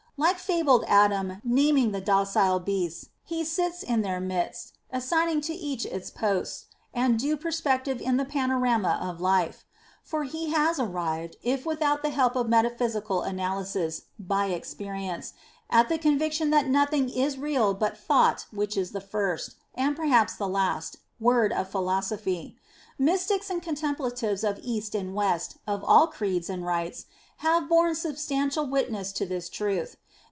Like fabled Adam naming the docile beasts, he sits in their midst, assigning to each its post and due perspective in the panorama of life. For he has arrived, if without the help of metaphysical analysis, by experience, at the conviction that nothing is real but thought which is the first and perhaps the last word of philosophy. Mystics and contemplatives of East and West of all creeds and rites have borne substantial witness to this truth.